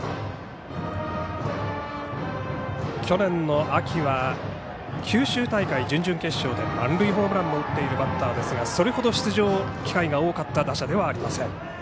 去年秋は九州大会の準々決勝で満塁ホームランも打っているバッターですがそれほど出場機会が多かった打者ではありません。